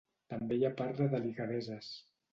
També hi ha part de delicadeses.